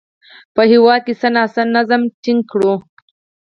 په هېواد کې یې څه ناڅه نظم ټینګ کړی و